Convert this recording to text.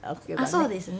そうですね。